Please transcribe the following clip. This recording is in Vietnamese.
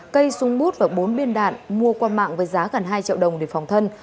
cây súng bút và bốn biên đạn mua qua mạng với giá gần hai triệu đồng để phòng thân